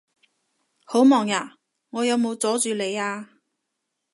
好忙呀？我有冇阻住你呀？